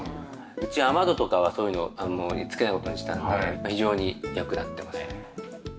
うち雨戸とかはそういうのをもう付けない事にしたので非常に役立ってますね。